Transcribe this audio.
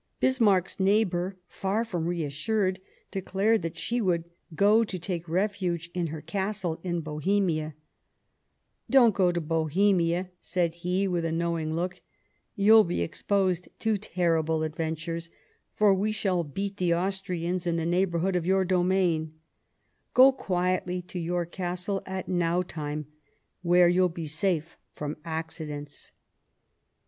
Bismarck's neighbour, far from reassured, de clared that she would go to take refuge in her castle in Bohemia. " Don't go to Bohemia," said he with a knowing look, " you'll be exposed to terrible adventures, for we shall beat the Austrians in the neighbourhood of your domain ; go quietly to your castle at Knautheim, where you'll be safe from accidents."